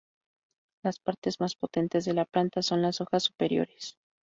Las partes más potentes de la planta son las hojas superiores.